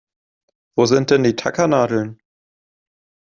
Wo sind denn die Tackernadeln?